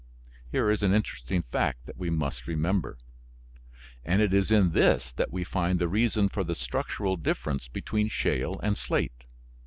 Here is an interesting fact that we must remember. And it is in this that we find the reason for the structural difference between shale and slate.